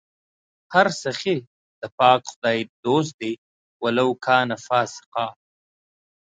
هر سخي د پاک خدای دوست دئ ولو کانَ فاسِقا